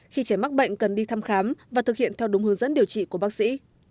khi trẻ mắc bệnh cần đi thăm khám và thực hiện theo đúng hướng dẫn điều trị của bác sĩ